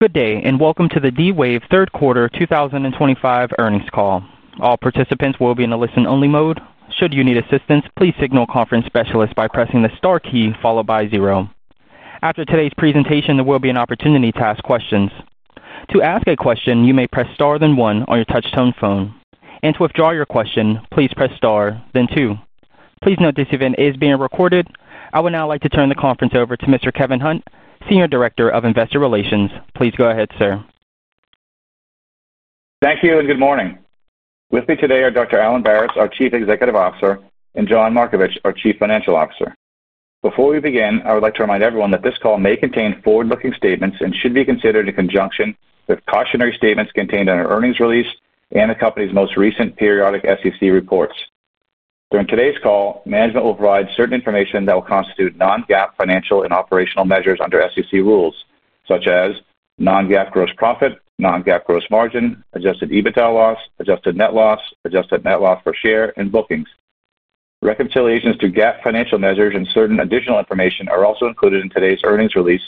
Good day and welcome to the D-Wave Q3 2025 Earnings Call. All participants will be in a listen-only mode. Should you need assistance, please signal conference specialists by pressing the star key followed by zero. After today's presentation, there will be an opportunity to ask questions. To ask a question, you may press star then one on your touch-tone phone. To withdraw your question, please press star then two. Please note this event is being recorded. I would now like to turn the conference over to Mr. Kevin Hunt, Senior Director of Investor Relations. Please go ahead, sir. Thank you and good morning. With me today are Dr. Alan Baratz, our Chief Executive Officer, and John Markovich, our Chief Financial Officer. Before we begin, I would like to remind everyone that this call may contain forward-looking statements and should be considered in conjunction with cautionary statements contained in our earnings release and the company's most recent periodic SEC reports. During today's call, management will provide certain information that will constitute non-GAAP financial and operational measures under SEC rules, such as non-GAAP gross profit, non-GAAP gross margin, Adjusted EBITDA Loss, Adjusted Net Loss, Adjusted Net Loss per share, and bookings. Reconciliations to GAAP financial measures and certain additional information are also included in today's earnings release,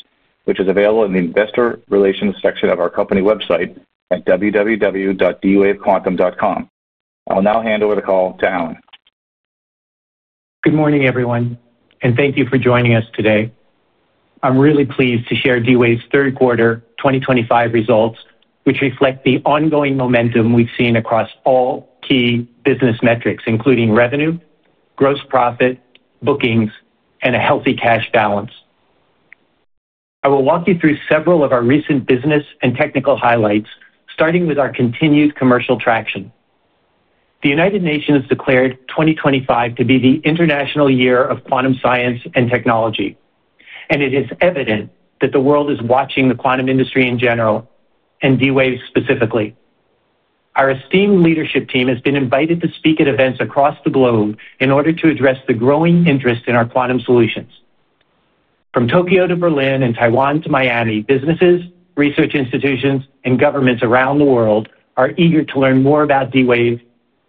which is available in the Investor Relations section of our company website at www.dwavequantum.com. I will now hand over the call to Alan. Good morning, everyone, and thank you for joining us today. I'm really pleased to share D-Wave's third quarter 2025 results, which reflect the ongoing momentum we've seen across all key business metrics, including revenue, gross profit, bookings, and a healthy cash balance. I will walk you through several of our recent business and technical highlights, starting with our continued commercial traction. The United Nations declared 2025 to be the International Year of Quantum Science and Technology, and it is evident that the world is watching the quantum industry in general and D-Wave specifically. Our esteemed leadership team has been invited to speak at events across the globe in order to address the growing interest in our quantum solutions. From Tokyo to Berlin and Taiwan to Miami, businesses, research institutions, and governments around the world are eager to learn more about D-Wave,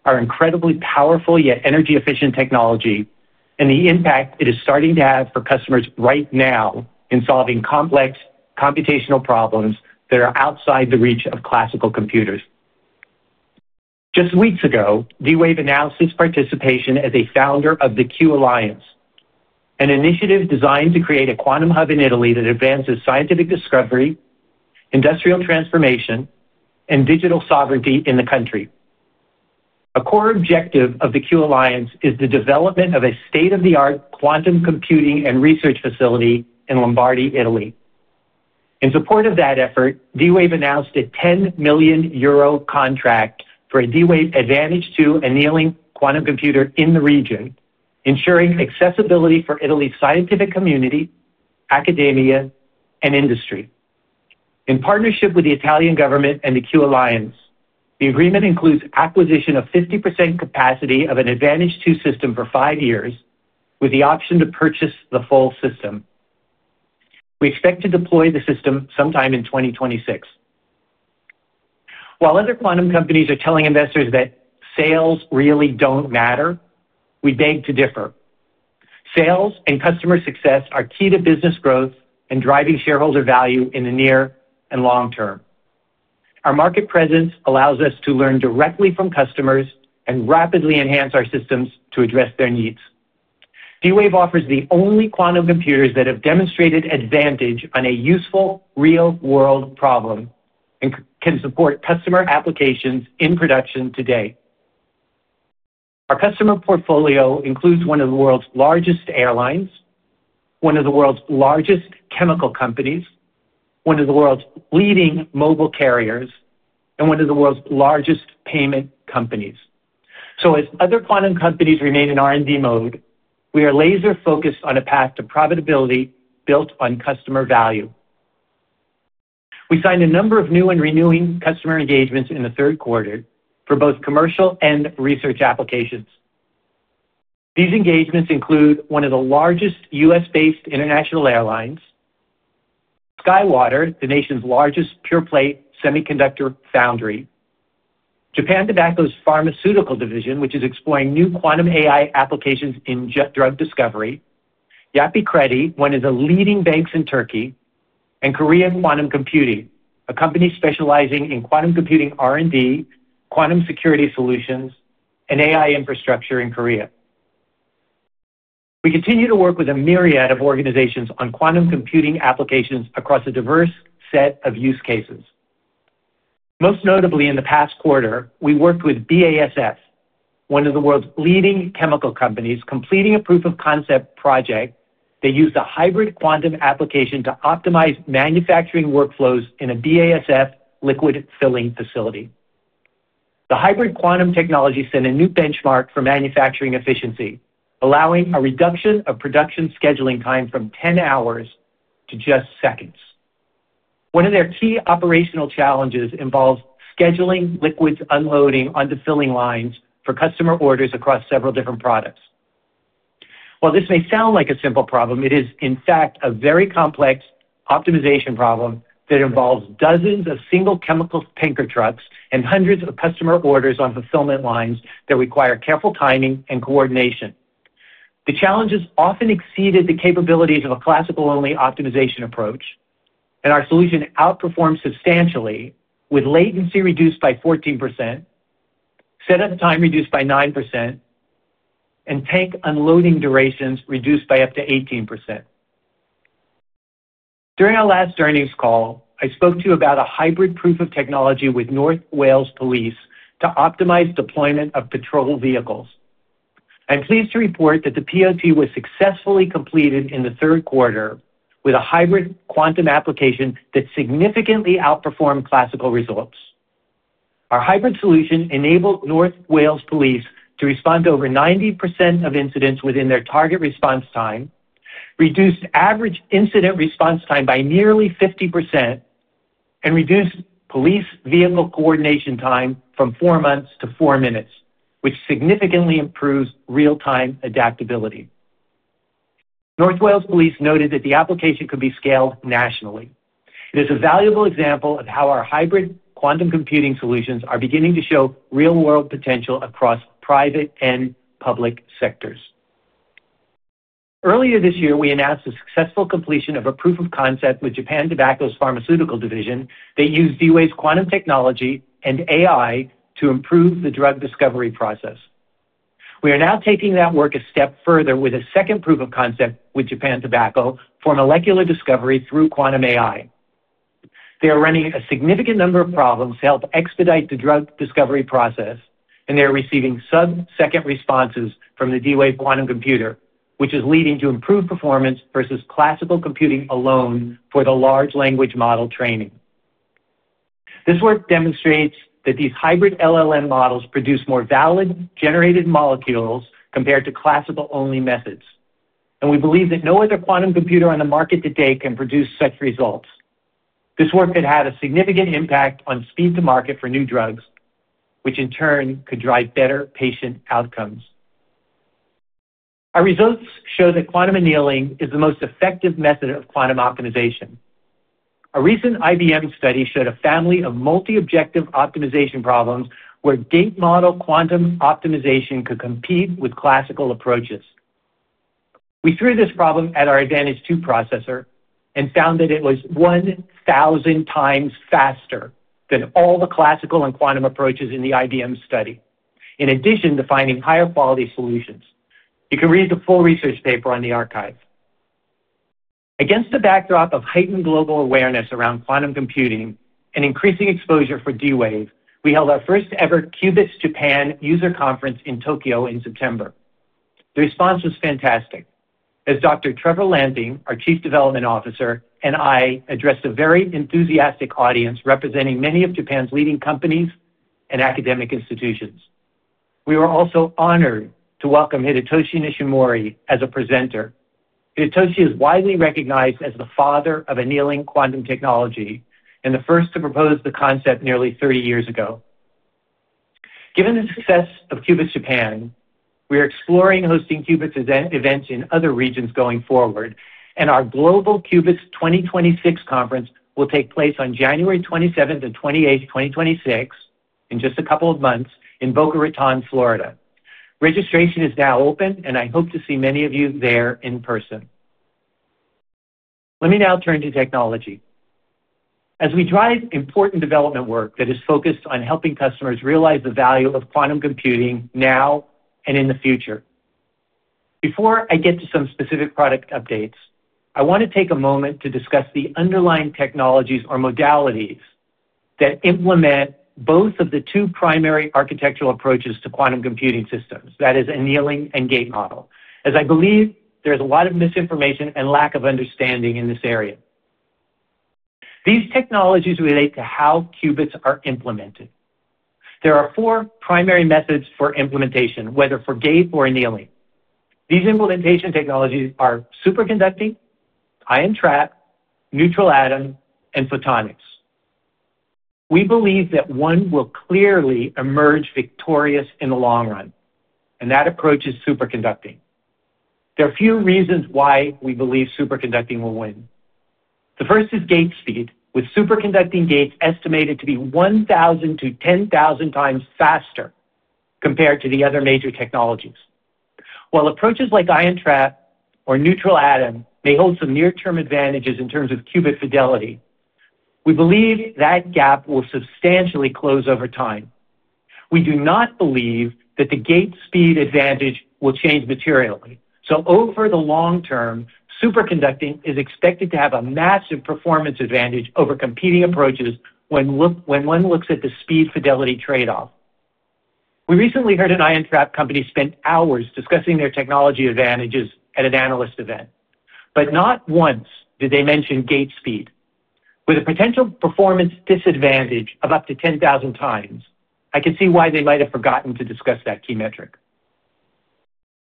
our incredibly powerful yet energy-efficient technology, and the impact it is starting to have for customers right now in solving complex computational problems that are outside the reach of classical computers. Just weeks ago, D-Wave announced its participation as a founder of the Q-Alliance, an initiative designed to create a quantum hub in Italy that advances scientific discovery, industrial transformation, and digital sovereignty in the country. A core objective of the Q-Alliance is the development of a state-of-the-art quantum computing and research facility in Lombardy, Italy. In support of that effort, D-Wave announced a 10 million euro contract for a D-Wave Advantage2 annealing quantum computer in the region, ensuring accessibility for Italy's scientific community, academia, and industry. In partnership with the Italian government and the Q-Alliance, the agreement includes acquisition of 50% capacity of an Advantage2 system for 5 years, with the option to purchase the full system. We expect to deploy the system sometime in 2026. While other quantum companies are telling investors that sales really do not matter, we beg to differ. Sales and customer success are key to business growth and driving shareholder value in the near and long term. Our market presence allows us to learn directly from customers and rapidly enhance our systems to address their needs. D-Wave offers the only quantum computers that have demonstrated advantage on a useful real-world problem. We can support customer applications in production today. Our customer portfolio includes one of the world's largest airlines, one of the world's largest chemical companies, one of the world's leading mobile carriers, and one of the world's largest payment companies. As other quantum companies remain in R&D mode, we are laser-focused on a path to profitability built on customer value. We signed a number of new and renewing customer engagements in third quarter for both commercial and research applications. These engagements include one of the largest U.S.-based international airlines, SkyWater, the nation's largest pure-play semiconductor foundry, Japan Tobacco's pharmaceutical division, which is exploring new quantum AI applications in drug discovery, Yapı Kredi, one of the leading banks in Turkey, and Korean Quantum Computing, a company specializing in quantum computing R&D, quantum security solutions, and AI infrastructure in Korea. We continue to work with a myriad of organizations on quantum computing applications across a diverse set of use cases. Most notably, in the past quarter, we worked with BASF, one of the world's leading chemical companies, completing a proof-of-concept project that used a hybrid quantum application to optimize manufacturing workflows in a BASF liquid filling facility. The hybrid quantum technology set a new benchmark for manufacturing efficiency, allowing a reduction of production scheduling time from 10 hours to just seconds. One of their key operational challenges involves scheduling liquids unloading onto filling lines for customer orders across several different products. While this may sound like a simple problem, it is, in fact, a very complex optimization problem that involves dozens of single chemical tanker trucks and hundreds of customer orders on fulfillment lines that require careful timing and coordination. The challenges often exceeded the capabilities of a classical-only optimization approach, and our solution outperformed substantially, with latency reduced by 14%. Setup time reduced by 9%. Tank unloading durations reduced by up to 18%. During our last earnings call, I spoke to you about a hybrid proof of technology with North Wales Police to optimize deployment of patrol vehicles. I'm pleased to report that the POT was successfully completed in Q3 with a hybrid quantum application that significantly outperformed classical results. Our hybrid solution enabled North Wales Police to respond to over 90% of incidents within their target response time, reduced average incident response time by nearly 50%, and reduced police vehicle coordination time from four months to four minutes, which significantly improves real-time adaptability. North Wales Police noted that the application could be scaled nationally. It is a valuable example of how our hybrid quantum computing solutions are beginning to show real-world potential across private and public sectors. Earlier this year, we announced the successful completion of a proof of concept with Japan Tobacco's pharmaceutical division that used D-Wave's quantum technology and AI to improve the drug discovery process. We are now taking that work a step further with a second proof of concept with Japan Tobacco for molecular discovery through quantum AI. They are running a significant number of problems to help expedite the drug discovery process, and they are receiving sub-second responses from the D-Wave quantum computer, which is leading to improved performance versus classical computing alone for the large language model training. This work demonstrates that these hybrid LLM models produce more valid generated molecules compared to classical-only methods, and we believe that no other quantum computer on the market today can produce such results. This work could have a significant impact on speed to market for new drugs, which in turn could drive better patient outcomes. Our results show that quantum annealing is the most effective method of quantum optimization. A recent IBM study showed a family of multi-objective optimization problems where gate model quantum optimization could compete with classical approaches. We threw this problem at our Advantage2 processor and found that it was 1,000x faster than all the classical and quantum approaches in the IBM study, in addition to finding higher quality solutions. You can read the full research paper on the archive. Against the backdrop of heightened global awareness around quantum computing and increasing exposure for D-Wave, we held our first-ever Qubits Japan user conference in Tokyo in September. The response was fantastic, as Dr. Trevor Lanting, our Chief Development Officer, and I addressed a very enthusiastic audience representing many of Japan's leading companies and academic institutions. We were also honored to welcome Hidetoshi Nishimori as a presenter. Hidetoshi is widely recognized as the father of annealing quantum technology and the first to propose the concept nearly 30 years ago. Given the success of Qubits Japan, we are exploring hosting Qubits events in other regions going forward, and our global Qubits 2026 conference will take place on January 27th and 28th, 2026, in just a couple of months in Boca Raton, Florida. Registration is now open, and I hope to see many of you there in person. Let me now turn to technology. As we drive important development work that is focused on helping customers realize the value of quantum computing now and in the future. Before I get to some specific product updates, I want to take a moment to discuss the underlying technologies or modalities that implement both of the two primary architectural approaches to quantum computing systems, that is, annealing and gate model, as I believe there is a lot of misinformation and lack of understanding in this area. These technologies relate to how qubits are implemented. There are four primary methods for implementation, whether for gate or annealing. These implementation technologies are superconducting, ion trap, neutral atom, and photonics. We believe that one will clearly emerge victorious in the long run, and that approach is superconducting. There are a few reasons why we believe superconducting will win. The first is gate speed, with superconducting gates estimated to be 1,000x-10,000x faster compared to the other major technologies. While approaches like ion trap or neutral atom may hold some near-term advantages in terms of Qubit fidelity, we believe that gap will substantially close over time. We do not believe that the gate speed advantage will change materially. Over the long term, superconducting is expected to have a massive performance advantage over competing approaches when one looks at the speed-fidelity trade-off. We recently heard an ion trap company spend hours discussing their technology advantages at an analyst event, but not once did they mention gate speed. With a potential performance disadvantage of up to 10,000x, I can see why they might have forgotten to discuss that key metric.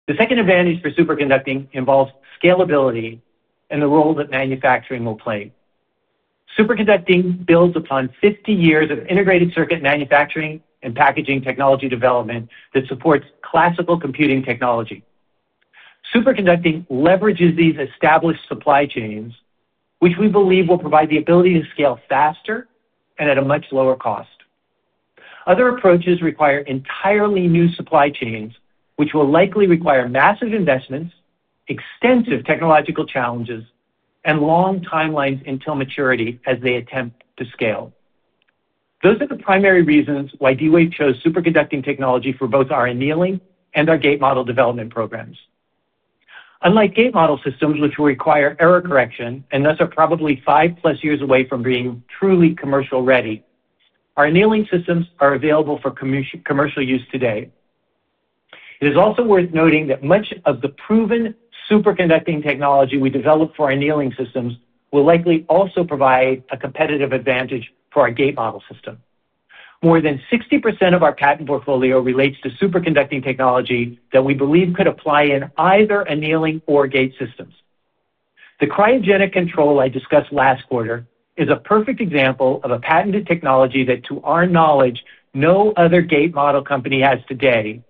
The second advantage for superconducting involves scalability and the role that manufacturing will play. Superconducting builds upon 50 years of integrated circuit manufacturing and packaging technology development that supports classical computing technology. Superconducting leverages these established supply chains, which we believe will provide the ability to scale faster and at a much lower cost. Other approaches require entirely new supply chains, which will likely require massive investments, extensive technological challenges, and long timelines until maturity as they attempt to scale. Those are the primary reasons why D-Wave chose superconducting technology for both our annealing and our gate model development programs. Unlike gate model systems, which will require error correction and thus are probably 5+ years away from being truly commercial-ready, our annealing systems are available for commercial use today. It is also worth noting that much of the proven superconducting technology we develop for our annealing systems will likely also provide a competitive advantage for our gate model system. More than 60% of our patent portfolio relates to superconducting technology that we believe could apply in either annealing or gate systems. The cryogenic control I discussed last quarter is a perfect example of a patented technology that, to our knowledge, no other gate model company has today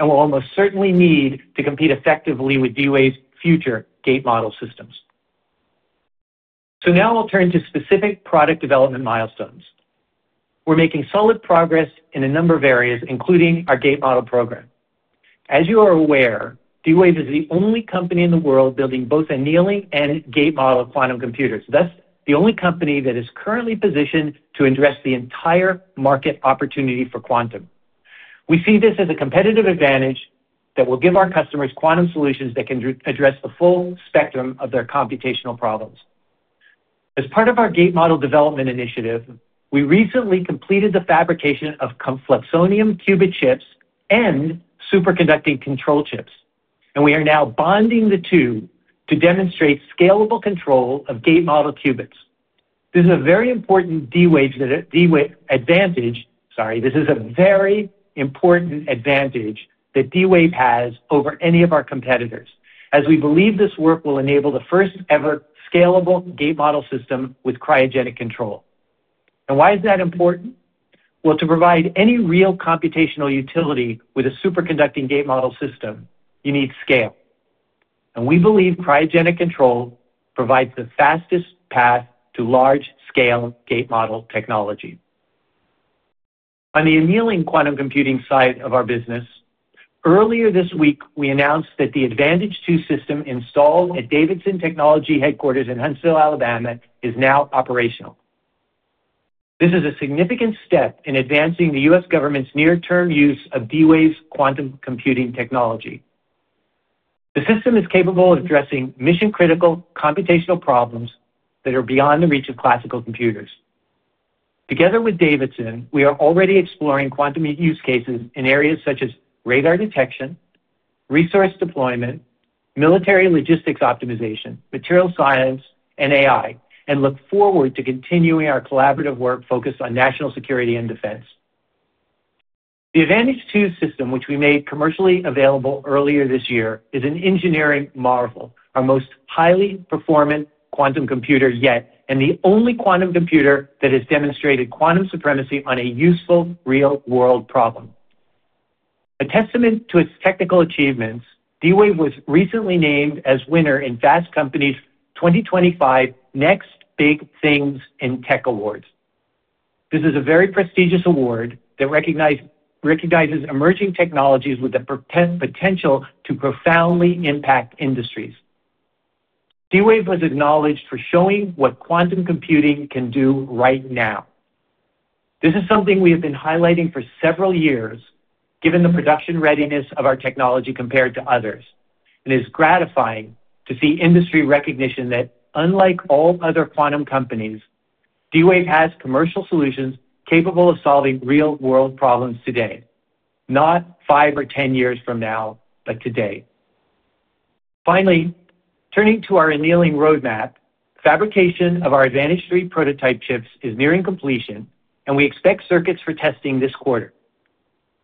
and will almost certainly need to compete effectively with D-Wave's future gate model systems. Now I'll turn to specific product development milestones. We're making solid progress in a number of areas, including our gate model program. As you are aware, D-Wave is the only company in the world building both annealing and gate model quantum computers. That is the only company that is currently positioned to address the entire market opportunity for quantum. We see this as a competitive advantage that will give our customers quantum solutions that can address the full spectrum of their computational problems. As part of our gate model development initiative, we recently completed the fabrication of fluxonium Qubit chips and superconducting control chips, and we are now bonding the two to demonstrate scalable control of gate model Qubits. This is a very important D-Wave advantage—sorry, this is a very important advantage that D-Wave has over any of our competitors, as we believe this work will enable the first-ever scalable gate model system with cryogenic control. Why is that important? To provide any real computational utility with a superconducting gate model system, you need scale. We believe cryogenic control provides the fastest path to large-scale gate model technology. On the annealing quantum computing side of our business, earlier this week, we announced that the Advantage2 system installed at Davidson Technologies headquarters in Huntsville, Alabama, is now operational. This is a significant step in advancing the U.S. government's near-term use of D-Wave's quantum computing technology. The system is capable of addressing mission-critical computational problems that are beyond the reach of classical computers. Together with Davidson, we are already exploring quantum use cases in areas such as radar detection, resource deployment, military logistics optimization, materials science, and AI, and look forward to continuing our collaborative work focused on national security and defense. The Advantage2 system, which we made commercially available earlier this year, is an engineering marvel, our most highly performant quantum computer yet, and the only quantum computer that has demonstrated quantum supremacy on a useful real-world problem. A testament to its technical achievements, D-Wave was recently named as winner in Fast Company's 2025 Next Big Things in Tech Awards. This is a very prestigious award that recognizes emerging technologies with the potential to profoundly impact industries. D-Wave was acknowledged for showing what quantum computing can do right now. This is something we have been highlighting for several years, given the production readiness of our technology compared to others, and it is gratifying to see industry recognition that, unlike all other quantum companies, D-Wave has commercial solutions capable of solving real-world problems today, not 5 or 10 years from now, but today. Finally, turning to our annealing roadmap, fabrication of our Advantage2 prototype chips is nearing completion, and we expect circuits for testing this quarter.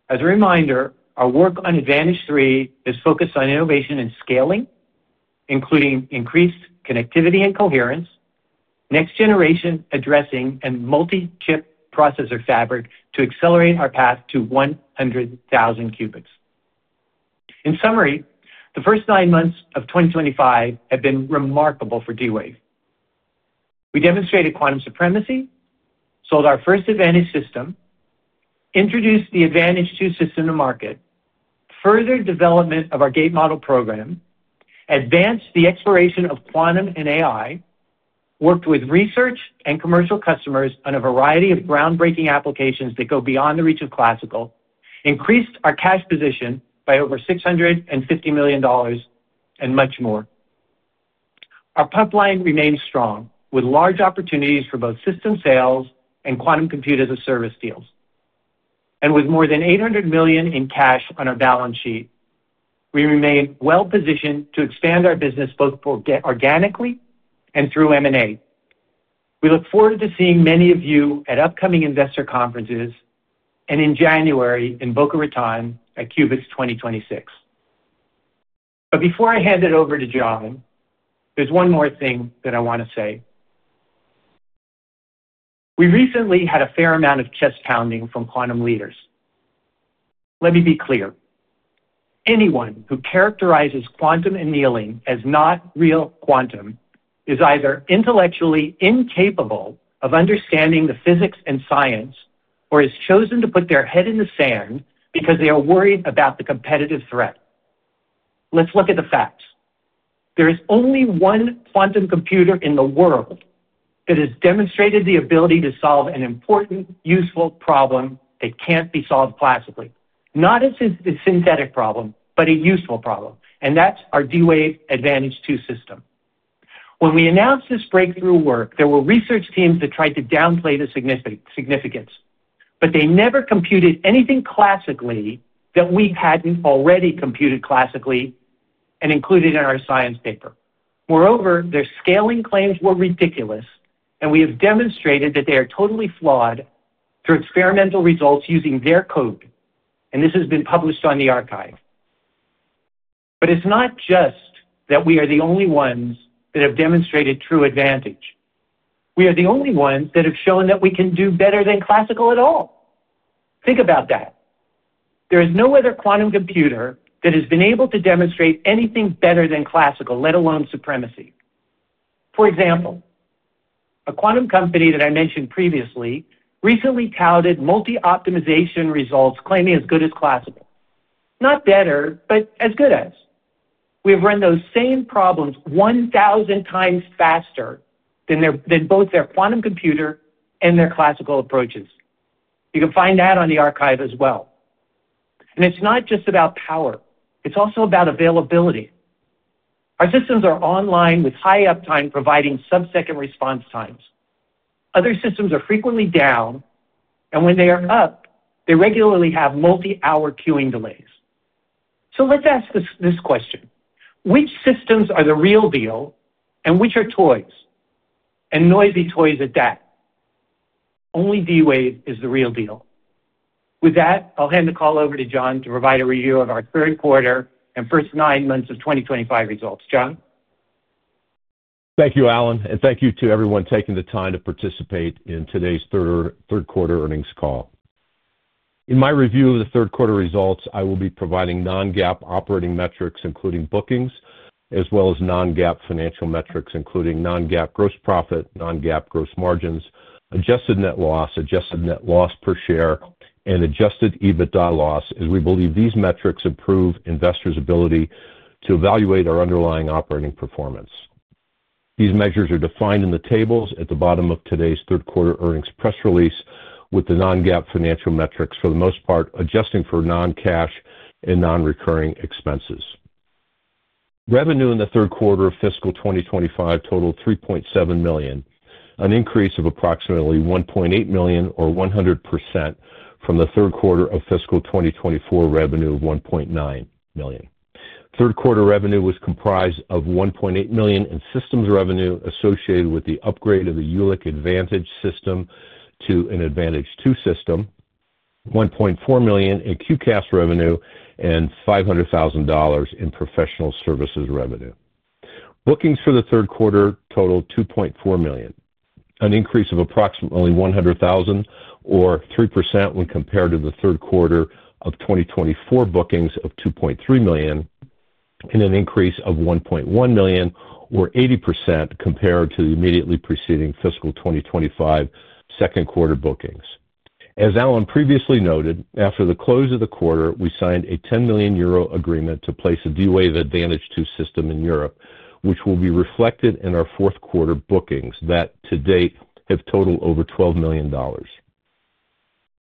As a reminder, our work on Advantage2 is focused on innovation and scaling, including increased connectivity and coherence, next-generation addressing, and multi-chip processor fabric to accelerate our path to 100,000 Qubits. In summary, the first 9 months of 2025 have been remarkable for D-Wave. We demonstrated quantum supremacy, sold our first Advantage system, introduced the Advantage2 system to market, furthered development of our gate model program. Advanced the exploration of quantum and AI. Worked with research and commercial customers on a variety of groundbreaking applications that go beyond the reach of classical, increased our cash position by over $650 million, and much more. Our pipeline remains strong, with large opportunities for both system sales and quantum computers as a service deals. With more than $800 million in cash on our balance sheet, we remain well-positioned to expand our business both organically and through M&A. We look forward to seeing many of you at upcoming investor conferences and in January in Boca Raton at Qubits 2026. Before I hand it over to John, there is one more thing that I want to say. We recently had a fair amount of chest-pounding from quantum leaders. Let me be clear. Anyone who characterizes quantum annealing as not real quantum is either intellectually incapable of understanding the physics and science or has chosen to put their head in the sand because they are worried about the competitive threat. Let's look at the facts. There is only one quantum computer in the world that has demonstrated the ability to solve an important, useful problem that can't be solved classically, not a synthetic problem, but a useful problem, and that's our D-Wave Advantage2 system. When we announced this breakthrough work, there were research teams that tried to downplay the significance, but they never computed anything classically that we hadn't already computed classically and included in our science paper. Moreover, their scaling claims were ridiculous, and we have demonstrated that they are totally flawed through experimental results using their code, and this has been published on the archive. It is not just that we are the only ones that have demonstrated true advantage. We are the only ones that have shown that we can do better than classical at all. Think about that. There is no other quantum computer that has been able to demonstrate anything better than classical, let alone supremacy. For example, a quantum company that I mentioned previously recently touted multi-optimization results, claiming as good as classical, not better, but as good as. We have run those same problems 1,000x faster than both their quantum computer and their classical approaches. You can find that on the archive as well. It is not just about power. It is also about availability. Our systems are online with high uptime providing sub-second response times. Other systems are frequently down. When they are up, they regularly have multi-hour queuing delays. Let's ask this question: which systems are the real deal and which are toys? And noisy toys at that? Only D-Wave is the real deal. With that, I'll hand the call over to John to provide a review of our third quarter and first 9 months of 2025 results. John? Thank you, Alan, and thank you to everyone taking the time to participate in today's third quarter earnings call. In my review of the third quarter results, I will be providing non-GAAP operating metrics, including bookings, as well as non-GAAP financial metrics, including non-GAAP gross profit, non-GAAP gross margins, Adjusted Net Loss, Adjusted Net Loss per share, and Adjusted EBITDA Loss, as we believe these metrics improve investors' ability to evaluate our underlying operating performance. These measures are defined in the tables at the bottom of today's third quarter earnings press release, with the non-GAAP financial metrics, for the most part, adjusting for non-cash and non-recurring expenses. Revenue in the third quarter of fiscal 2025 totaled $3.7 million, an increase of approximately $1.8 million or 100% from the third quarter of fiscal 2024 revenue of $1.9 million. Third quarter revenue was comprised of $1.8 million in systems revenue associated with the upgrade of the Jülich Advantage system to an Advantage2 system, $1.4 million in QCAS revenue, and $500,000 in professional services revenue. Bookings for the third quarter totaled $2.4 million, an increase of approximately $100,000 or 3% when compared to the third quarter of 2024 bookings of $2.3 million, and an increase of $1.1 million or 80% compared to the immediately preceding fiscal 2025 second quarter bookings. As Alan previously noted, after the close of the quarter, we signed a 10 million euro agreement to place a D-Wave Advantage2 system in Europe, which will be reflected in our fourth quarter bookings that, to date, have totaled over $12 million.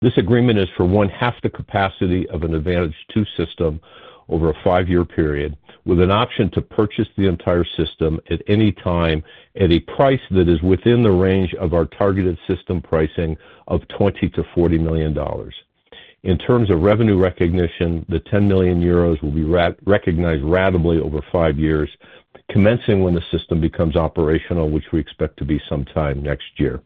This agreement is for one half the capacity of an Advantage2 system over a 5-year period, with an option to purchase the entire system at any time at a price that is within the range of our targeted system pricing of $20 million-$40 milion. In terms of revenue recognition, the 10 million euros will be recognized ratably over 5 years, commencing when the system becomes operational, which we expect to be sometime next year.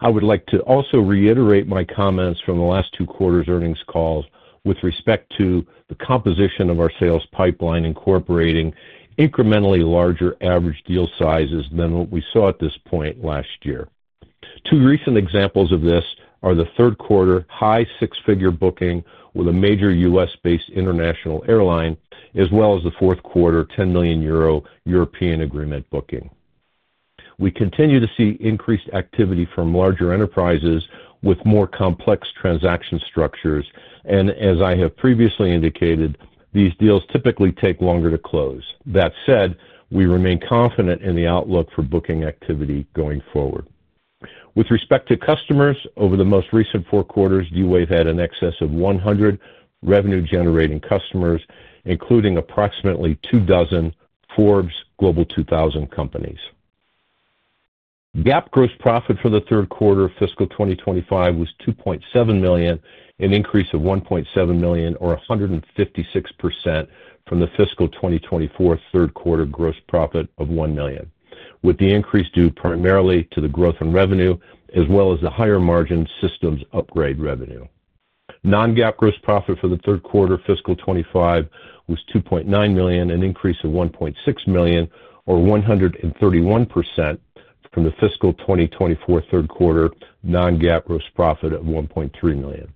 I would like to also reiterate my comments from the last two quarters' earnings calls with respect to the composition of our sales pipeline, incorporating incrementally larger average deal sizes than what we saw at this point last year. Two recent examples of this are the third quarter high six-figure booking with a major U.S.-based international airline, as well as the fourth quarter 10 million euro European agreement booking. We continue to see increased activity from larger enterprises with more complex transaction structures, and as I have previously indicated, these deals typically take longer to close. That said, we remain confident in the outlook for booking activity going forward. With respect to customers, over the most recent four quarters, D-Wave had an excess of 100 revenue-generating customers, including approximately two dozen Forbes Global 2000 companies. GAAP gross profit for the third quarter of fiscal 2025 was $2.7 million, an increase of $1.7 million or 156% from the fiscal 2024 third quarter gross profit of $1 million, with the increase due primarily to the growth in revenue as well as the higher margin systems upgrade revenue. Non-GAAP gross profit for the third quarter of fiscal 2025 was $2.9 million, an increase of $1.6 million or 131% from the fiscal 2024 third quarter non-GAAP gross profit of $1.3 million.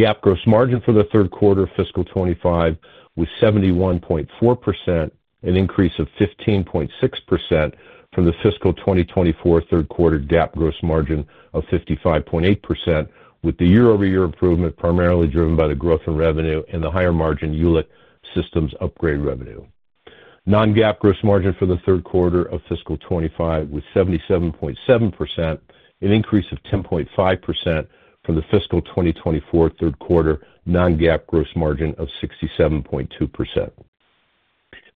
GAAP gross margin for the third quarter of fiscal 2025 was 71.4%, an increase of 15.6% from the fiscal 2024 third quarter GAAP gross margin of 55.8%, with the year-over-year improvement primarily driven by the growth in revenue and the higher margin Jülich systems upgrade revenue. Non-GAAP gross margin for the third quarter of fiscal 2025 was 77.7%, an increase of 10.5% from the fiscal 2024 third quarter non-GAAP gross margin of 67.2%.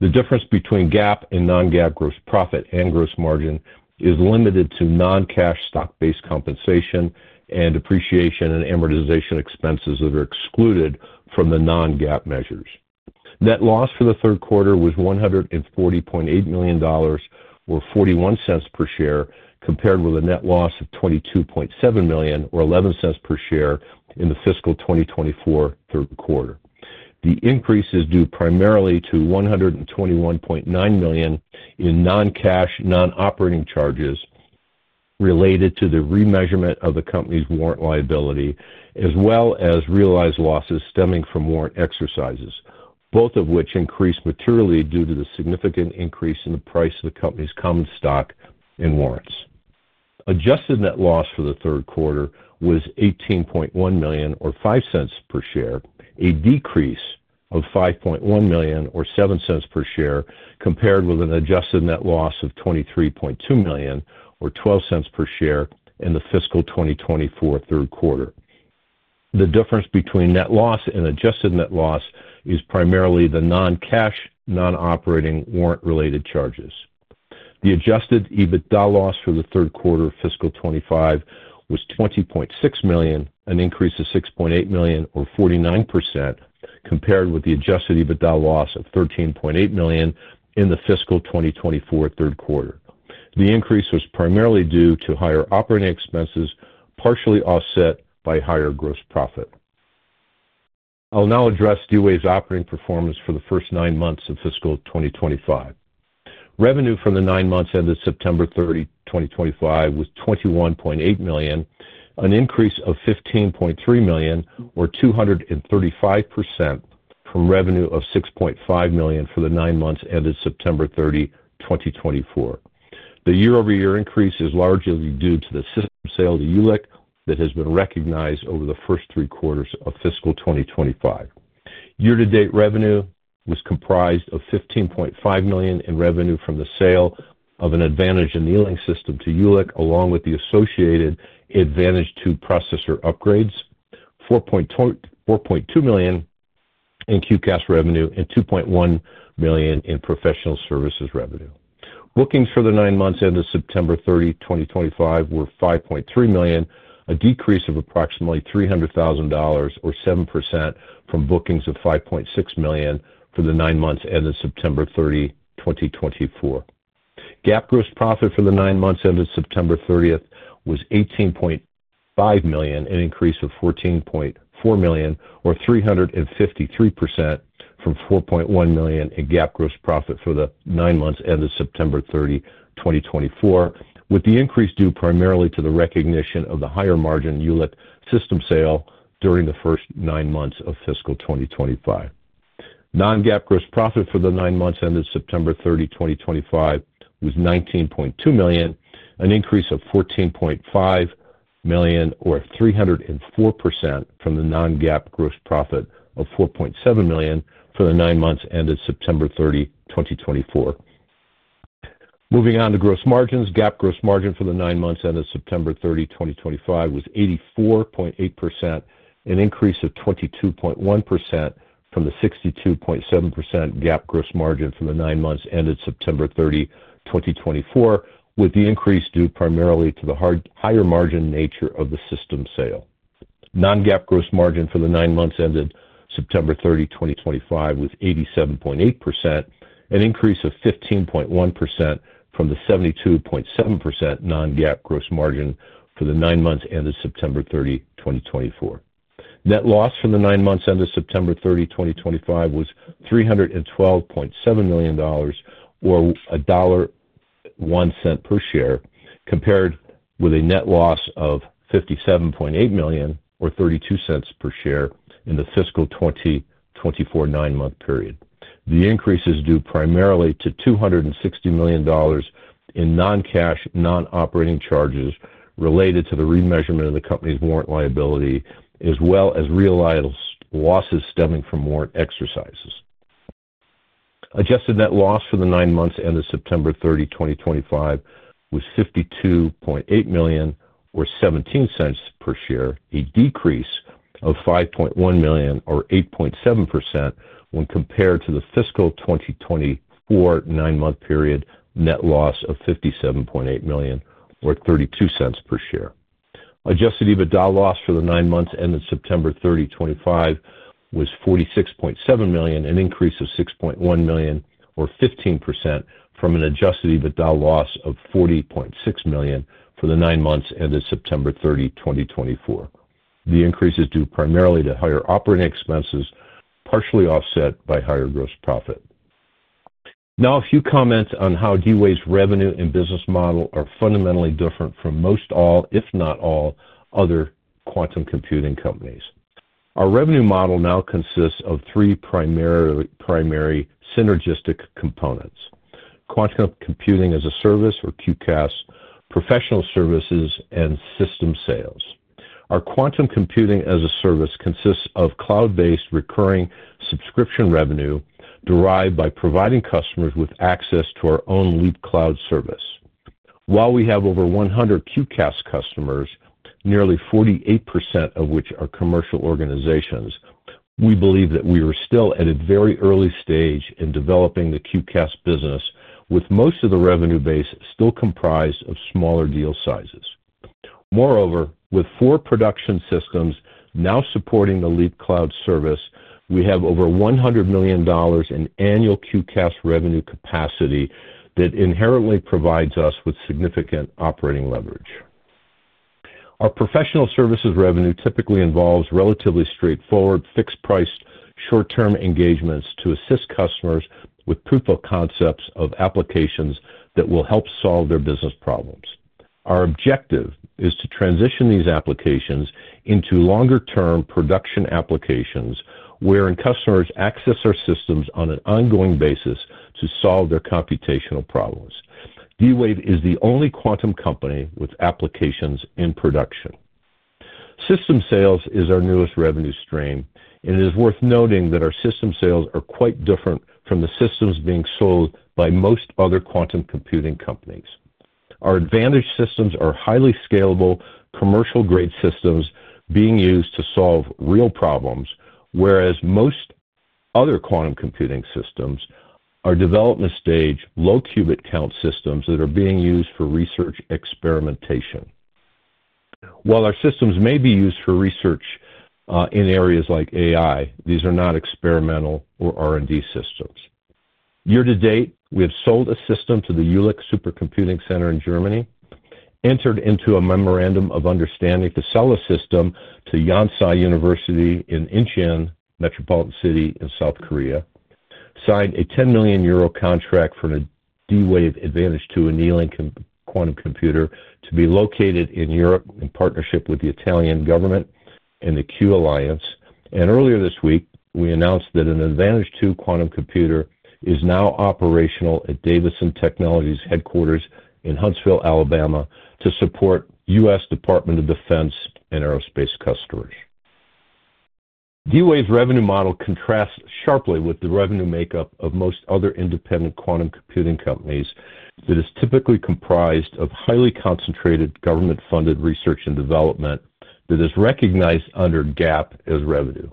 The difference between GAAP and non-GAAP gross profit and gross margin is limited to non-cash stock-based compensation and depreciation and amortization expenses that are excluded from the non-GAAP measures. Net loss for the third quarter was $140.8 million, or $0.41 per share, compared with a net loss of $22.7 million or $0.11 per share in the fiscal 2024 third quarter. The increase is due primarily to $121.9 million in non-cash non-operating charges. Related to the remeasurement of the company's warrant liability, as well as realized losses stemming from warrant exercises, both of which increased materially due to the significant increase in the price of the company's common stock and warrants. Adjusted Net Loss for the third quarter was $18.1 million or $0.05 per share, a decrease of $5.1 million or $0.07 per share, compared with an Adjusted Net Loss of $23.2 million or $0.12 per share in the fiscal 2024 third quarter. The difference between net loss and Adjusted Net Loss is primarily the non-cash non-operating warrant-related charges. The Adjusted EBITDA Loss for the third quarter of fiscal 2025 was $20.6 million, an increase of $6.8 million or 49%, compared with the Adjusted EBITDA Loss of $13.8 million in the fiscal 2024 third quarter. The increase was primarily due to higher operating expenses, partially offset by higher gross profit. I'll now address D-Wave's operating performance for the first 9 months of fiscal 2025. Revenue from the 9 months ended September 30, 2025, was $21.8 million, an increase of $15.3 million or 235% from revenue of $6.5 million for the 9 months ended September 30, 2024. The year-over-year increase is largely due to the system sale to Jülich that has been recognized over the first three quarters of fiscal 2025. Year-to-date revenue was comprised of $15.5 million in revenue from the sale of an Advantage annealing system to Jülich, along with the associated Advantage2 processor upgrades, $4.2 million in QCAS revenue, and $2.1 million in professional services revenue. Bookings for the 9 months ended September 30, 2025, were $5.3 million, a decrease of approximately $300,000 or 7% from bookings of $5.6 million for the 9 months ended September 30, 2024. GAAP gross profit for the 9 months ended September 30 was $18.5 million, an increase of $14.4 million or 353% from $4.1 million in GAAP gross profit for the 9 months ended September 30, 2024, with the increase due primarily to the recognition of the higher margin Jülich system sale during the first 9 months of fiscal 2025. Non-GAAP gross profit for the 9 months ended September 30, 2025, was $19.2 million, an increase of $14.5 million or 304% from the non-GAAP gross profit of $4.7 million for the 9 months ended September 30, 2024. Moving on to gross margins, GAAP gross margin for the 9 months ended September 30, 2025, was 84.8%, an increase of 22.1% from the 62.7% GAAP gross margin for the 9 months ended September 30, 2024, with the increase due primarily to the higher margin nature of the system sale. Non-GAAP gross margin for the 9 months ended September 30, 2025, was 87.8%, an increase of 15.1% from the 72.7% non-GAAP gross margin for the 9 months ended September 30, 2024. Net loss from the 9 months ended September 30, 2025, was $312.7 million, or $1.01 per share, compared with a net loss of $57.8 million or $0.32 per share in the fiscal 2024 nine-month period. The increase is due primarily to $260 million in non-cash non-operating charges related to the remeasurement of the company's warrant liability, as well as realized losses stemming from warrant exercises. Adjusted Net Loss for the 9 months ended September 30, 2025, was $52.8 million or $0.17 per share, a decrease of $5.1 million or 8.7% when compared to the fiscal 2024 nine-month period net loss of $57.8 million or $0.32 per share. Adjusted EBITDA Loss for the 9 months ended September 30, 2025, was $46.7 million, an increase of $6.1 million or 15% from an Adjusted EBITDA Loss of $40.6 million for the 9 months ended September 30, 2024. The increase is due primarily to higher operating expenses, partially offset by higher gross profit. Now, a few comments on how D-Wave's revenue and business model are fundamentally different from most all, if not all, other quantum computing companies. Our revenue model now consists of three primary synergistic components: quantum computing as a service, or QCAS, professional services, and system sales. Our quantum computing as a service consists of cloud-based recurring subscription revenue derived by providing customers with access to our own Leap cloud service. While we have over 100 QCAS customers, nearly 48% of which are commercial organizations, we believe that we are still at a very early stage in developing the QCAS business, with most of the revenue base still comprised of smaller deal sizes. Moreover, with four production systems now supporting the Leap cloud service, we have over $100 million in annual QCAS revenue capacity that inherently provides us with significant operating leverage. Our professional services revenue typically involves relatively straightforward, fixed-priced, short-term engagements to assist customers with proof of concepts of applications that will help solve their business problems. Our objective is to transition these applications into longer-term production applications wherein customers access our systems on an ongoing basis to solve their computational problems. D-Wave is the only quantum company with applications in production. System sales is our newest revenue stream, and it is worth noting that our system sales are quite different from the systems being sold by most other quantum computing companies. Our Advantage systems are highly scalable, commercial-grade systems being used to solve real problems, whereas most other quantum computing systems are development-stage, low-qubit count systems that are being used for research experimentation. While our systems may be used for research in areas like AI, these are not experimental or R&D systems. Year-to-date, we have sold a system to the Jülich Supercomputing Center in Germany, entered into a memorandum of understanding to sell a system to Yonsei University in Incheon, Metropolitan City in South Korea, signed a 10 million euro contract for a D-Wave Advantage2 annealing quantum computer to be located in Europe in partnership with the Italian government and the Q-Alliance. Earlier this week, we announced that an Advantage2 quantum computer is now operational at Davidson Technologies' headquarters in Huntsville, Alabama, to support U.S. Department of Defense and aerospace customers. D-Wave's revenue model contrasts sharply with the revenue makeup of most other independent quantum computing companies that is typically comprised of highly concentrated government-funded research and development that is recognized under GAAP as revenue.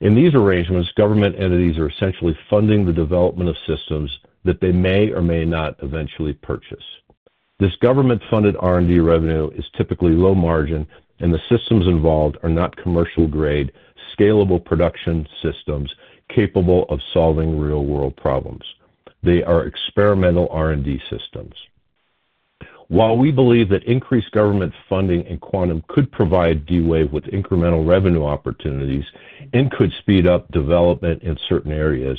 In these arrangements, government entities are essentially funding the development of systems that they may or may not eventually purchase. This government-funded R&D revenue is typically low margin, and the systems involved are not commercial-grade, scalable production systems capable of solving real-world problems. They are experimental R&D systems. While we believe that increased government funding in quantum could provide D-Wave with incremental revenue opportunities and could speed up development in certain areas,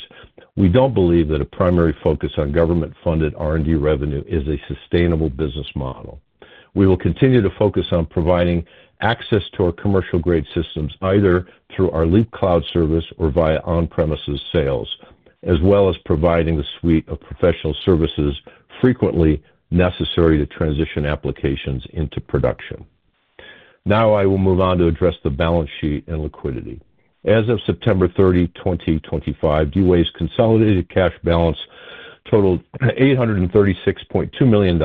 we don't believe that a primary focus on government-funded R&D revenue is a sustainable business model. We will continue to focus on providing access to our commercial-grade systems either through Leap cloud service or via on-premises sales, as well as providing the suite of professional services frequently necessary to transition applications into production. Now, I will move on to address the balance sheet and liquidity. As of September 30, 2025, D-Wave's consolidated cash balance totaled $836.2 million,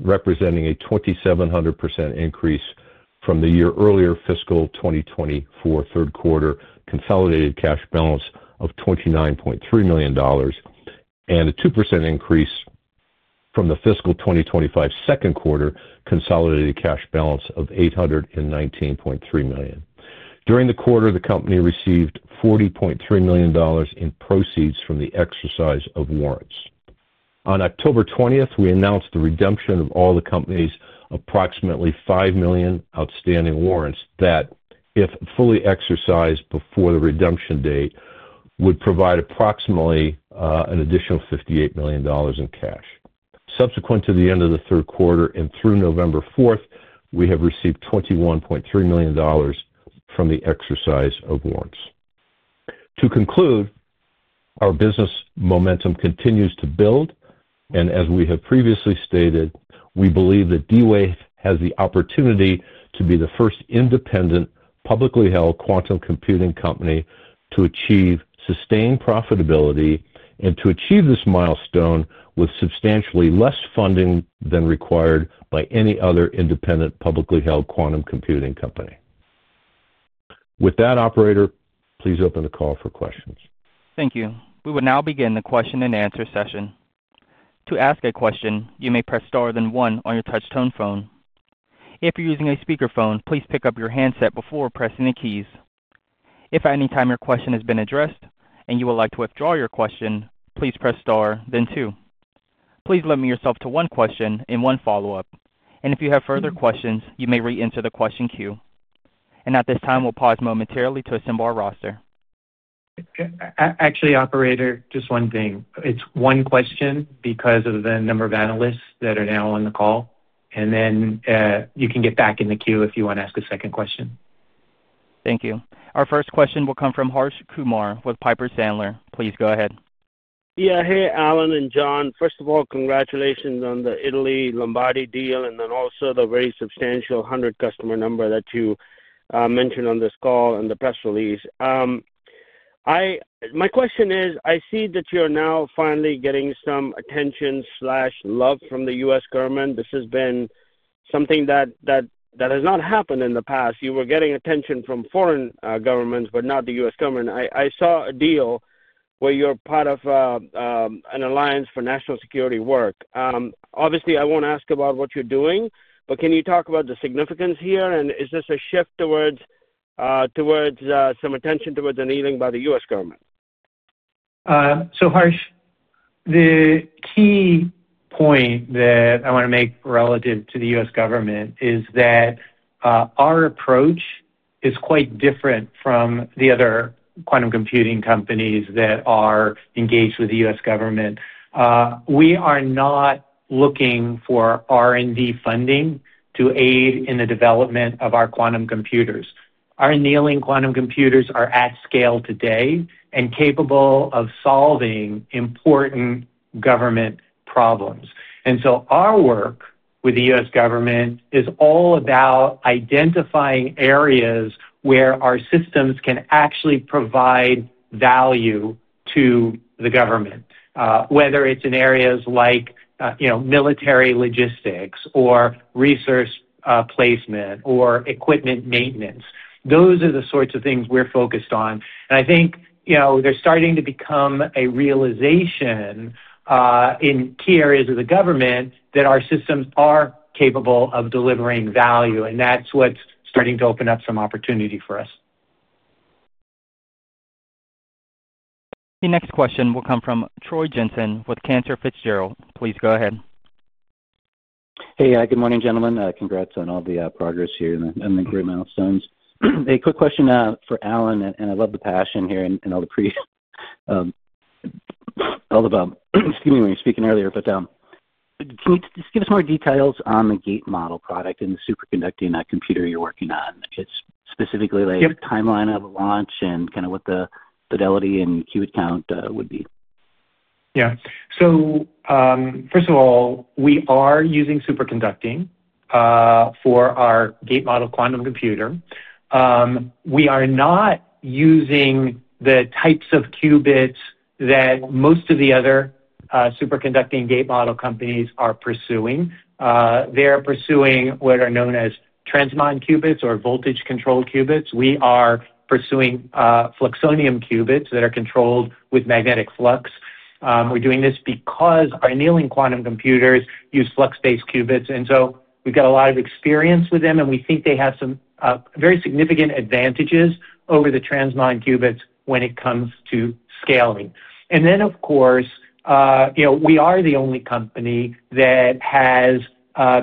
representing a 2,700% increase from the year-earlier fiscal 2024 third quarter consolidated cash balance of $29.3 million. It is a 2% increase from the fiscal 2025 second quarter consolidated cash balance of $819.3 million. During the quarter, the company received $40.3 million in proceeds from the exercise of warrants. On October 20th, we announced the redemption of all the company's approximately 5 million outstanding warrants that, if fully exercised before the redemption date, would provide approximately an additional $58 million in cash. Subsequent to the end of the third quarter and through November 4th, we have received $21.3 million from the exercise of warrants. To conclude, our business momentum continues to build, and as we have previously stated, we believe that D-Wave has the opportunity to be the first independent, publicly held quantum computing company to achieve sustained profitability and to achieve this milestone with substantially less funding than required by any other independent, publicly held quantum computing company. With that, operator, please open the call for questions. Thank you. We will now begin the question-and-answer session. To ask a question, you may press star then one on your touch-tone phone. If you're using a speakerphone, please pick up your handset before pressing the keys. If at any time your question has been addressed and you would like to withdraw your question, please press star then two. Please limit yourself to one question and one follow-up. If you have further questions, you may re-enter the question queue. At this time, we'll pause momentarily to assemble our roster. Actually, operator, just one thing. It's one question because of the number of analysts that are now on the call. Then you can get back in the queue if you want to ask a second question. Thank you. Our first question will come from Harsh Kumar with Piper Sandler. Please go ahead. Yeah. Hey, Alan and John. First of all, congratulations on the Italy-Lombardy deal and then also the very substantial 100 customer number that you mentioned on this call and the press release. My question is, I see that you're now finally getting some attention/love from the U.S. government. This has been something that has not happened in the past. You were getting attention from foreign governments, but not the U.S. government. I saw a deal where you're part of an alliance for national security work. Obviously, I won't ask about what you're doing, but can you talk about the significance here? Is this a shift towards some attention towards annealing by the U.S. government? Harsh, the key point that I want to make relative to the U.S. government is that our approach is quite different from the other quantum computing companies that are engaged with the U.S. government. We are not looking for R&D funding to aid in the development of our quantum computers. Our annealing quantum computers are at scale today and capable of solving important government problems. Our work with the U.S. government is all about identifying areas where our systems can actually provide value to the government. Whether it's in areas like military logistics or resource placement or equipment maintenance, those are the sorts of things we're focused on. I think they're starting to become a realization in key areas of the government that our systems are capable of delivering value. That's what's starting to open up some opportunity for us. The next question will come from Troy Jensen with Cantor Fitzgerald. Please go ahead. Hey, good morning, gentlemen. Congrats on all the progress here and the great milestones. A quick question for Alan, and I love the passion here and all the pre, excuse me, when you were speaking earlier, but can you just give us more details on the gate model product and the superconducting computer you're working on? Specifically, like timeline of launch and kind of what the fidelity and qubit count would be. Yeah. First of all, we are using superconducting for our gate model quantum computer. We are not using the types of qubits that most of the other superconducting gate model companies are pursuing. They're pursuing what are known as transmon qubits or voltage-controlled qubits. We are pursuing fluxonium qubits that are controlled with magnetic flux. We're doing this because our annealing quantum computers use flux-based qubits. We have a lot of experience with them, and we think they have some very significant advantages over the transmon qubits when it comes to scaling. Of course, we are the only company that has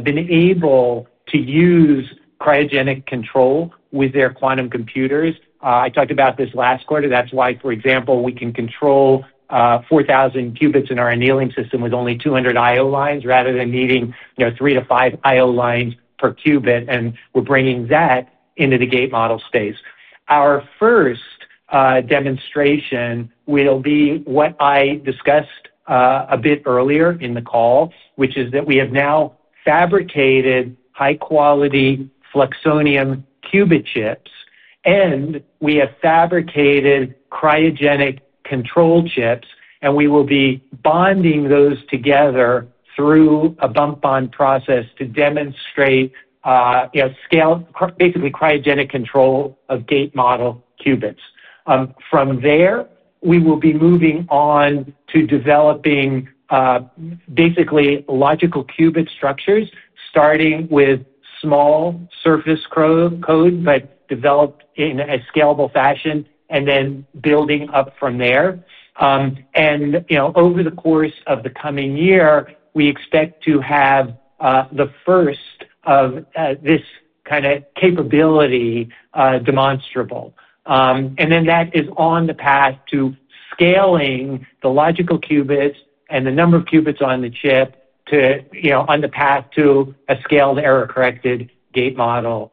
been able to use cryogenic control with their quantum computers. I talked about this last quarter. That is why, for example, we can control 4,000 qubits in our annealing system with only 200 IO lines rather than needing three to five IO lines per qubit. We're bringing that into the gate model space. Our first demonstration will be what I discussed a bit earlier in the call, which is that we have now fabricated high-quality fluxonium qubit chips, and we have fabricated cryogenic control chips, and we will be bonding those together through a bump-on process to demonstrate basically cryogenic control of gate model qubits. From there, we will be moving on to developing basically logical qubit structures, starting with small surface code, but developed in a scalable fashion, and then building up from there. Over the course of the coming year, we expect to have the first of this kind of capability demonstrable. That is on the path to scaling the logical qubits and the number of qubits on the chip to on the path to a scaled error-corrected gate model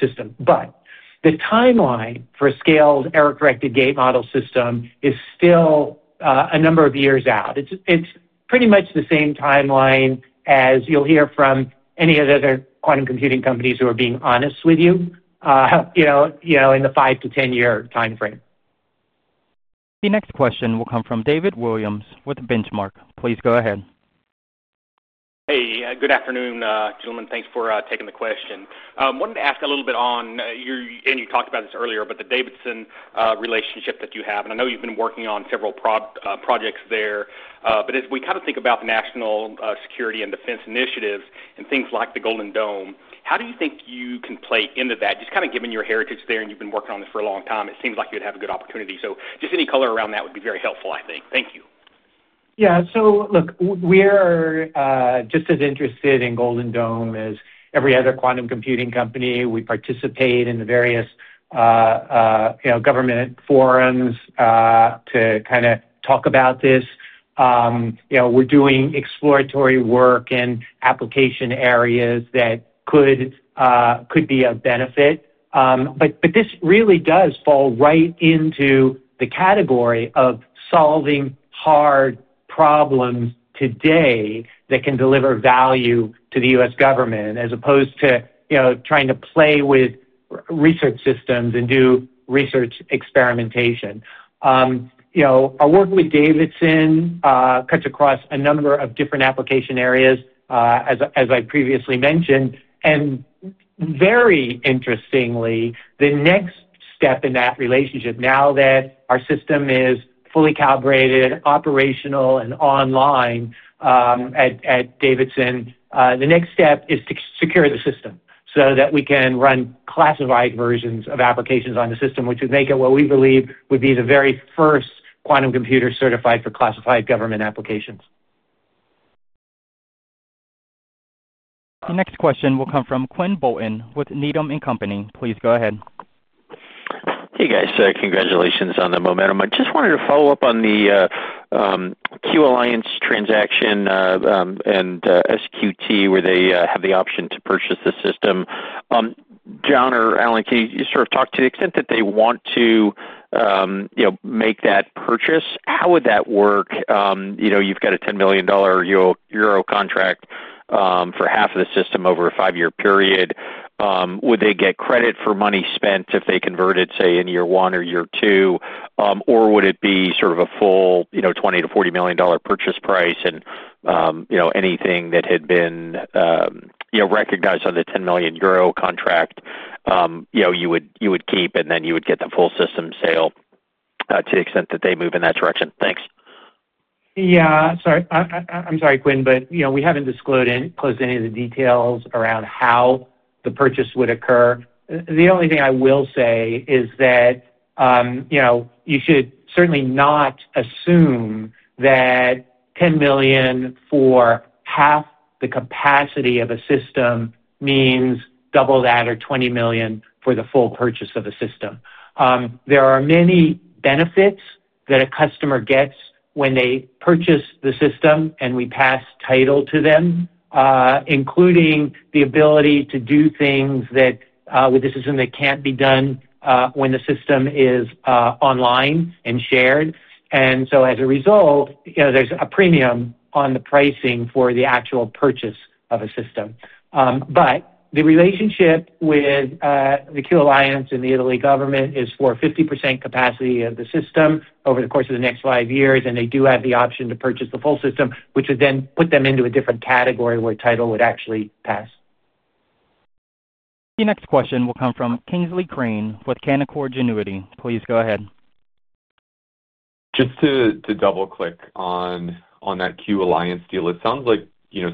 system. The timeline for a scaled error-corrected gate model system is still a number of years out. It's pretty much the same timeline as you'll hear from any of the other quantum computing companies who are being honest with you, in the 5-10 year timeframe. The next question will come from David Williams with Benchmark. Please go ahead. Hey, good afternoon, gentlemen. Thanks for taking the question. I wanted to ask a little bit on, and you talked about this earlier, the Davidson relationship that you have. I know you've been working on several projects there. As we kind of think about the national security and defense initiatives and things like the Golden Dome, how do you think you can play into that? Just kind of given your heritage there and you've been working on this for a long time, it seems like you'd have a good opportunity. Just any color around that would be very helpful, I think. Thank you. Yeah. So look, we're just as interested in Golden Dome as every other quantum computing company. We participate in the various government forums to kind of talk about this. We're doing exploratory work in application areas that could be of benefit. This really does fall right into the category of solving hard problems today that can deliver value to the U.S. government, as opposed to trying to play with research systems and do research experimentation. Our work with Davidson cuts across a number of different application areas, as I previously mentioned. Very interestingly, the next step in that relationship, now that our system is fully calibrated, operational, and online. At Davidson, the next step is to secure the system so that we can run classified versions of applications on the system, which would make it what we believe would be the very first quantum computer certified for classified government applications. The next question will come from Quinn Bolton with Needham & Company. Please go ahead. Hey, guys. Congratulations on the momentum. I just wanted to follow up on the Q-Alliance transaction. And SQT, where they have the option to purchase the system. John or Alan, can you sort of talk to the extent that they want to make that purchase? How would that work? You've got a 10 million euro contract for half of the system over a 5-year period. Would they get credit for money spent if they converted, say, in year 1 or year 2? Or would it be sort of a full $20 million-$40 million purchase price? Anything that had been recognized on the 10 million euro contract you would keep, and then you would get the full system sale to the extent that they move in that direction. Thanks. Yeah. Sorry. I'm sorry, Quinn, but we haven't disclosed any of the details around how the purchase would occur. The only thing I will say is that you should certainly not assume that 10 million for half the capacity of a system means double that or 20 million for the full purchase of a system. There are many benefits that a customer gets when they purchase the system, and we pass title to them, including the ability to do things with this system that can't be done when the system is online and shared. As a result, there's a premium on the pricing for the actual purchase of a system. The relationship with the Q-Alliance and the Italy government is for 50% capacity of the system over the course of the next 5 years. They do have the option to purchase the full system, which would then put them into a different category where title would actually pass. The next question will come from Kingsley Crane with Canaccord Genuity. Please go ahead. Just to double-click on that Q-Alliance deal, it sounds like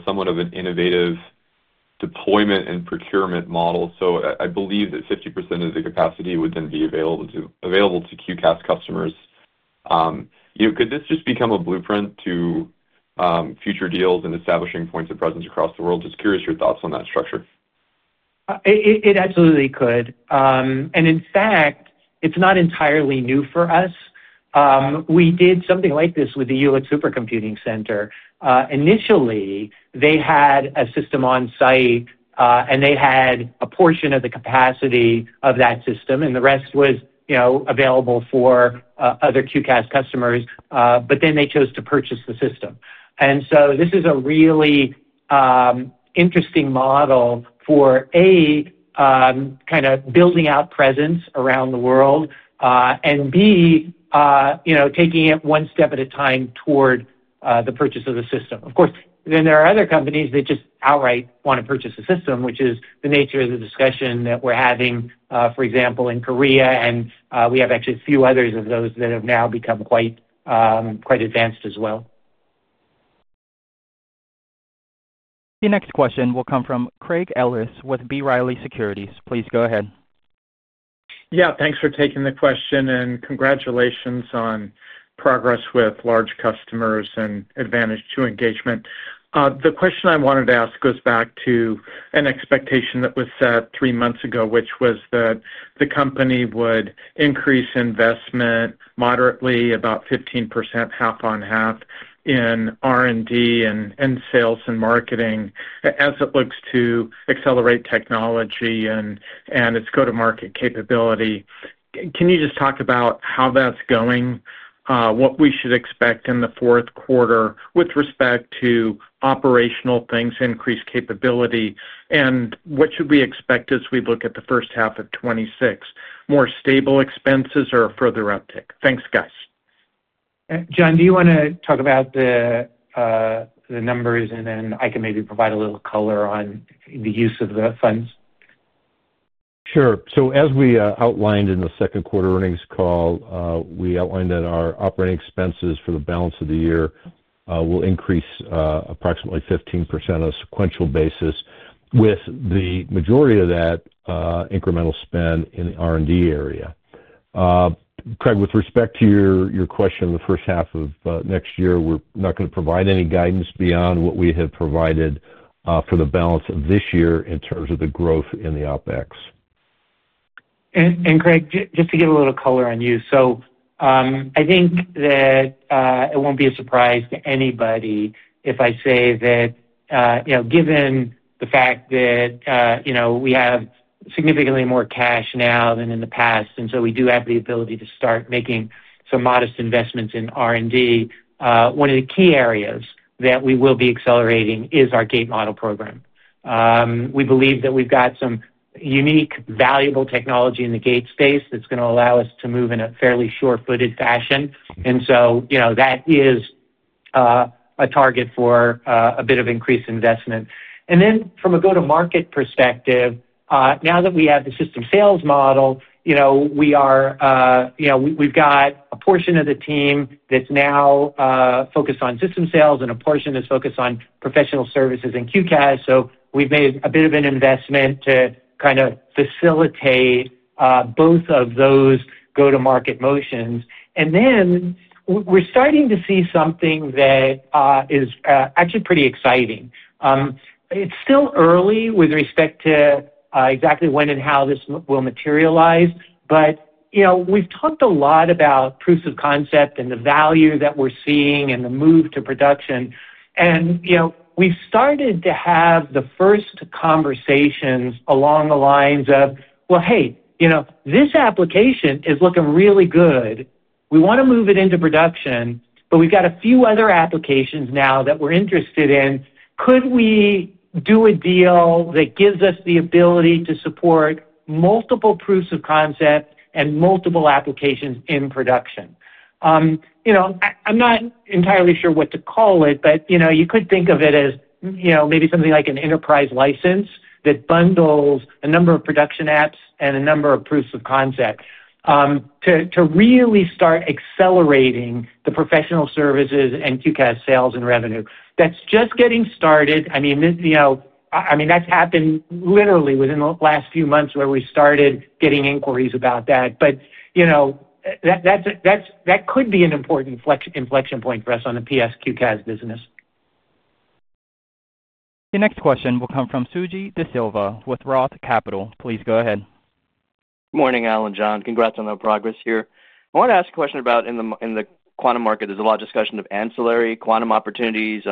somewhat of an innovative deployment and procurement model. So I believe that 50% of the capacity would then be available to QCAS customers. Could this just become a blueprint to future deals and establishing points of presence across the world? Just curious your thoughts on that structure. It absolutely could. In fact, it's not entirely new for us. We did something like this with the Jülich Supercomputing Center. Initially, they had a system on-site, and they had a portion of the capacity of that system, and the rest was available for other QCAS customers. They chose to purchase the system. This is a really interesting model for, A. kind of building out presence around the world. B. taking it one step at a time toward the purchase of the system. Of course, there are other companies that just outright want to purchase the system, which is the nature of the discussion that we're having, for example, in Korea. We have actually a few others of those that have now become quite advanced as well. The next question will come from Craig Ellis with B. Riley Securities. Please go ahead. Yeah. Thanks for taking the question. Congratulations on progress with large customers and Advantage2 engagement. The question I wanted to ask goes back to an expectation that was set 3 months ago, which was that the company would increase investment moderately, about 15% half on half in R&D and sales and marketing as it looks to accelerate technology and its go-to-market capability. Can you just talk about how that's going, what we should expect in the fourth quarter with respect to operational things, increased capability, and what should we expect as we look at the first half of 2026? More stable expenses or a further uptick? Thanks, guys. John, do you want to talk about the numbers, and then I can maybe provide a little color on the use of the funds? Sure. As we outlined in the second quarter earnings call, we outlined that our operating expenses for the balance of the year will increase approximately 15% on a sequential basis, with the majority of that incremental spend in the R&D area. Craig, with respect to your question, the first half of next year, we're not going to provide any guidance beyond what we have provided for the balance of this year in terms of the growth in the OpEx. Craig, just to give a little color on you, I think that it will not be a surprise to anybody if I say that, given the fact that we have significantly more cash now than in the past, we do have the ability to start making some modest investments in R&D. One of the key areas that we will be accelerating is our gate model program. We believe that we have got some unique, valuable technology in the Gate space that is going to allow us to move in a fairly short-footed fashion. That is a target for a bit of increased investment. From a go-to-market perspective, now that we have the system sales model, we have got a portion of the team that is now focused on system sales, and a portion is focused on professional services and QCAS. We've made a bit of an investment to kind of facilitate both of those go-to-market motions. Then we're starting to see something that is actually pretty exciting. It's still early with respect to exactly when and how this will materialize. We've talked a lot about proof of concept and the value that we're seeing and the move to production. We've started to have the first conversations along the lines of, "Hey, this application is looking really good. We want to move it into production, but we've got a few other applications now that we're interested in. Could we do a deal that gives us the ability to support. Multiple proofs of concept and multiple applications in production? I'm not entirely sure what to call it, but you could think of it as maybe something like an enterprise license that bundles a number of production apps and a number of proofs of concept. To really start accelerating the professional services and QCAS sales and revenue. That's just getting started. I mean, that's happened literally within the last few months where we started getting inquiries about that. That could be an important inflection point for us on the PSQCAS business. The next question will come from Suji Desilva with Roth Capital. Please go ahead. Morning, Alan, John. Congrats on the progress here. I want to ask a question about in the quantum market, there's a lot of discussion of ancillary quantum opportunities.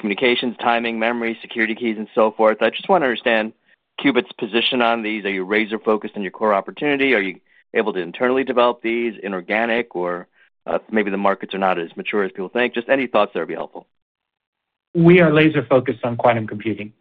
Communications, timing, memory, security keys, and so forth. I just want to understand Qubits' position on these. Are you laser-focused on your core opportunity? Are you able to internally develop these inorganic? Or maybe the markets are not as mature as people think? Just any thoughts that would be helpful. We are laser-focused on quantum computing.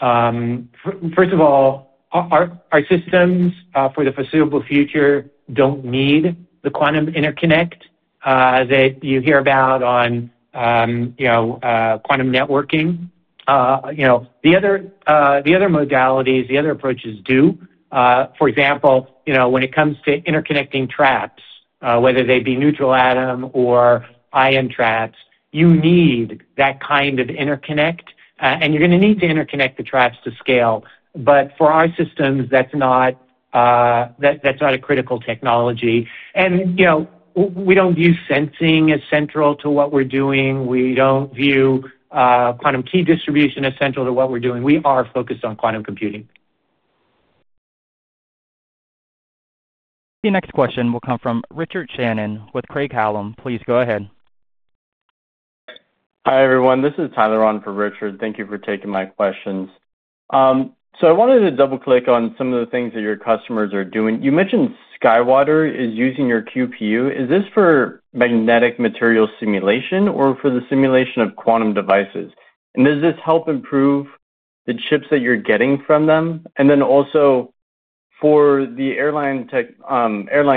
First of all, our systems for the foreseeable future do not need the quantum interconnect as you hear about on quantum networking. The other modalities, the other approaches do. For example, when it comes to interconnecting traps, whether they be neutral atom or ion traps, you need that kind of interconnect. You are going to need to interconnect the traps to scale. For our systems, that is not a critical technology. We do not view sensing as central to what we are doing. We do not view quantum key distribution as central to what we are doing. We are focused on quantum computing. The next question will come from Richard Shannon with Craig Hallum. Please go ahead. Hi, everyone. This is Tyler Ron for Richard. Thank you for taking my questions. I wanted to double-click on some of the things that your customers are doing. You mentioned SkyWater is using your QPU. Is this for magnetic material simulation or for the simulation of quantum devices? Does this help improve the chips that you're getting from them? Also, for the airline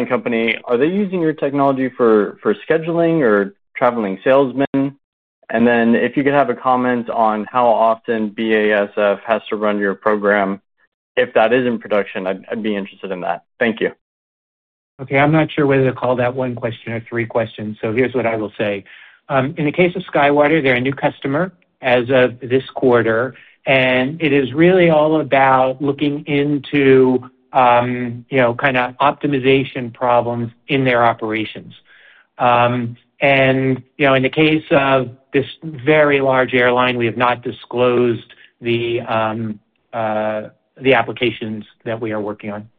company, are they using your technology for scheduling or traveling salesmen? If you could have a comment on how often BASF has to run your program, if that is in production, I'd be interested in that. Thank you. Okay. I'm not sure whether to call that one question or three questions. So here's what I will say. In the case of SkyWater, they're a new customer as of this quarter. And it is really all about looking into kind of optimization problems in their operations. In the case of this very large airline, we have not disclosed the applications that we are working on.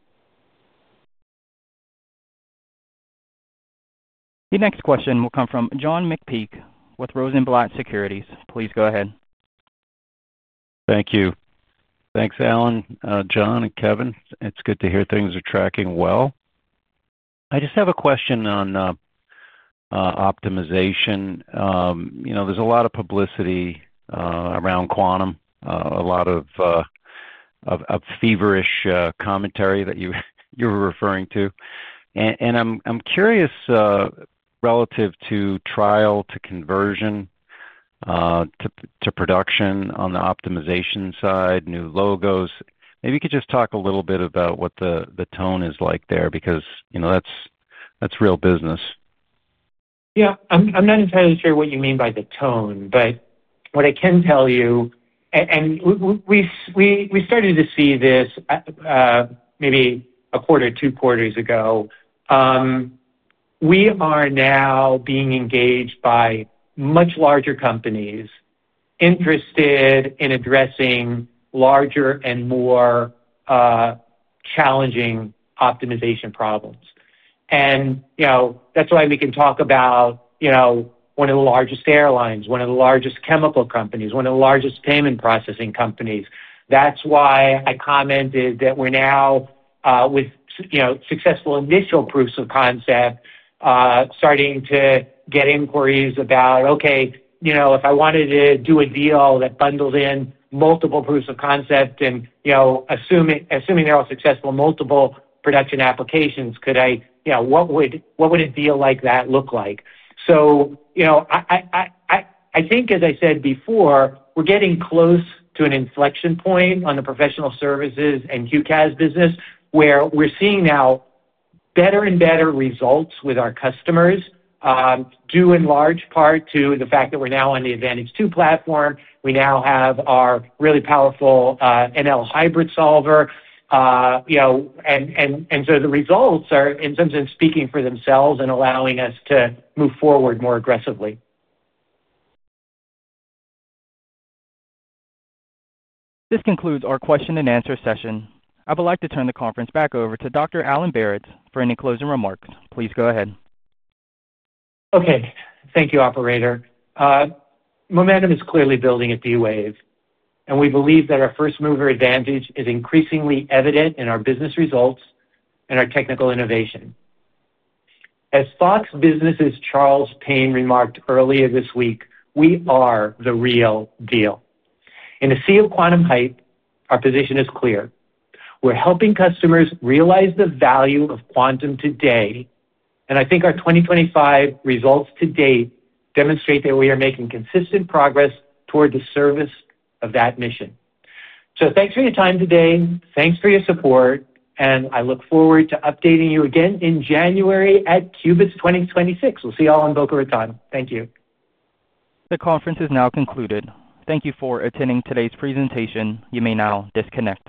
The next question will come from John McPeak with Rosenblatt Securities. Please go ahead. Thank you. Thanks, Alan, John, and Kevin. It's good to hear things are tracking well. I just have a question on optimization. There's a lot of publicity around quantum, a lot of feverish commentary that you were referring to. I'm curious, relative to trial to conversion to production on the optimization side, new logos. Maybe you could just talk a little bit about what the tone is like there because that's real business. Yeah. I'm not entirely sure what you mean by the tone, but what I can tell you, and we started to see this maybe a quarter, two quarters ago. We are now being engaged by much larger companies interested in addressing larger and more challenging optimization problems. That is why we can talk about one of the largest airlines, one of the largest chemical companies, one of the largest payment processing companies. That is why I commented that we're now, with successful initial proofs of concept, starting to get inquiries about, "Okay, if I wanted to do a deal that bundled in multiple proofs of concept and, assuming they're all successful, multiple production applications, what would a deal like that look like?" I think, as I said before, we're getting close to an inflection point on the professional services and QCAS business where we're seeing now. Better and better results with our customers. Due in large part to the fact that we're now on the Advantage2 platform. We now have our really powerful NL Hybrid Solver. The results are, in some sense, speaking for themselves and allowing us to move forward more aggressively. This concludes our question-and-answer session. I would like to turn the conference back over to Dr. Alan Baratz for any closing remarks. Please go ahead. Okay. Thank you, operator. Momentum is clearly building at D-Wave. We believe that our first mover advantage is increasingly evident in our business results and our technical innovation. As Fox Business's Charles Payne remarked earlier this week, "We are the real deal." In the sea of quantum hype, our position is clear. We're helping customers realize the value of quantum today. I think our 2025 results to date demonstrate that we are making consistent progress toward the service of that mission. Thanks for your time today. Thanks for your support. I look forward to updating you again in January at Qubits 2026. We'll see you all in Boca Raton. Thank you. The conference is now concluded. Thank you for attending today's presentation. You may now disconnect.